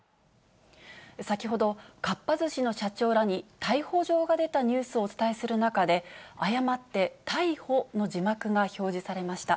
先ほど、かっぱ寿司の社長らに逮捕状が出たニュースをお伝えする中で、誤って逮捕の字幕が表示されました。